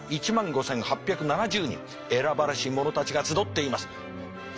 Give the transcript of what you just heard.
選ばれし者たちが集っています。